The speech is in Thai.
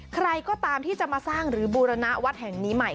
ใครก็ตามที่จะมาสร้างหรือบูรณะวัดแห่งนี้ใหม่